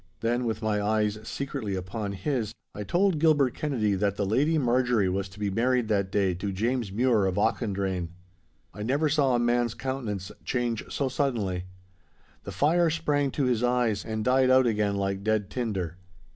Then, with my eyes secretly upon his, I told Gilbert Kennedy that the Lady Marjorie was to be married that day to James Mure of Auchendrayne. I never saw a man's countenance change so suddenly. The fire sprang to his eyes, and died out again like dead tinder.